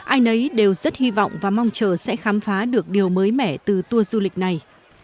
ai nấy đều rất hy vọng và mong chờ sẽ khám phá được điều mới mẻ từ tour du lịch này